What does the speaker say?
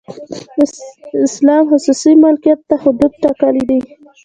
اسلام خصوصي ملکیت ته حدود ټاکلي دي.